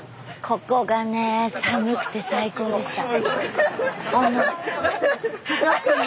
ここがね寒くて最高でした。